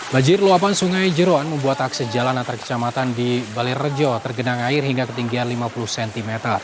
banjir luapan sungai jeroan membuat akses jalan antar kecamatan di balai rejo tergenang air hingga ketinggian lima puluh cm